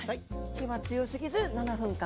火は強すぎず７分間。